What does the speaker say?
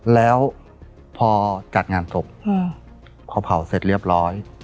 แล้วพอจัดงานศพพอเผาเสร็จเรียบร้อย